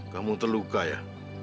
kamu terluka ya